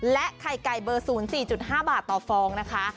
และไข่ไก่เบอร์ศูนย์๔๕บาทต่อฟองนะคะ